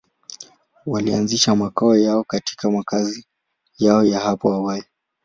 Walianzisha makao yao katika makazi yao ya hapo awali.